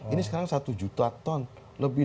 ini sekarang satu juta ton lebih